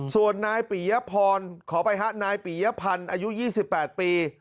ส่วนนายปียพรขอไปฮะนายปียพันธ์อายุ๒๘ปี